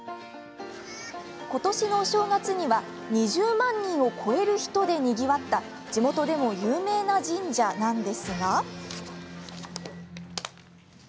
今年のお正月には２０万人を超える人でにぎわった地元でも有名な神社なんですが。